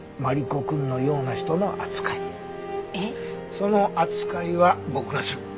その扱いは僕がする。